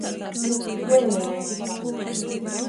Plemineica.